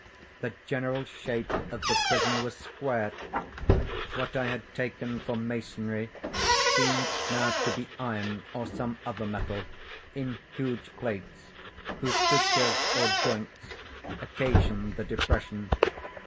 The general shape of the prison was square. What I had taken for masonry seemed now to be iron, or some other metal, in huge plates, whose sutures or joints occasioned the depression.